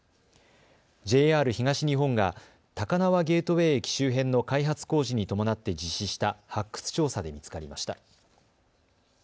ＪＲ東日本が高輪ゲートウェイ駅周辺の開発工事に伴って実施した発掘調査で見つかりました。